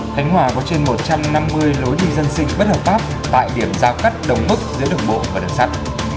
khánh hòa có trên một trăm năm mươi lối đi dân sinh bất hợp pháp tại điểm giao cắt đồng húc giữa đường bộ và đường sắt